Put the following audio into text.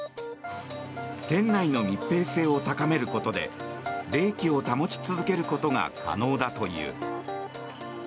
店内の密閉性を高めることで冷気を保ち続けることが可能だという。